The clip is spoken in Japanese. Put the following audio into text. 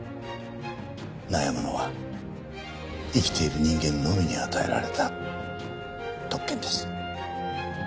悩むのは生きている人間のみに与えられた特権です。